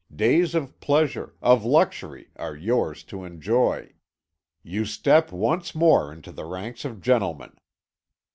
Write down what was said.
Days of pleasure, of luxury, are yours to enjoy. You step once more into the ranks of gentlemen.